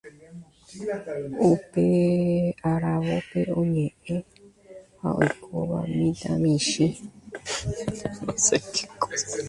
upe aravópe oñe'ẽ ha oikóva mitãmimícha.